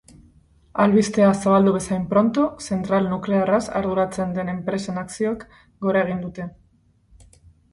Albistea zabaldu bezain pronto zentral nuklearraz arduratzen den enpresaren akzioek gora egin dute.